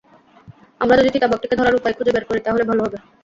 আমরা যদি চিতাবাঘটিকে ধরার উপায় খুঁজে বের করি তাহলে ভালো হবে।